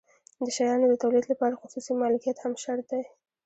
د شیانو د تولید لپاره خصوصي مالکیت هم شرط دی.